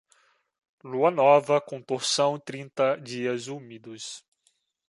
Lua nova com torção, trinta dias úmidos.